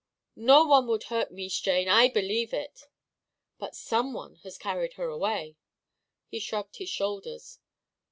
"No one would hurt Mees Jane. I believe it." "But some one has carried her away." He shrugged his shoulders.